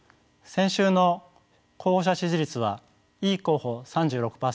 先週の候補者支持率はイ候補３６％